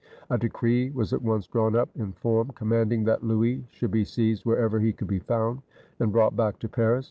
A decree was at once drawn up in form, commanding that Louis should be seized wherever he could be found, and brought back to Paris.